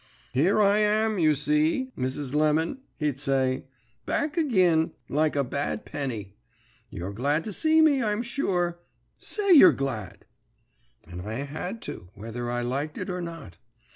"'Here I am, you see, Mrs. Lemon,' he'd say; 'back agin, like a bad penny. You're glad to see me, I'm sure. Say you're glad.' "And I had to, whether I liked it or not.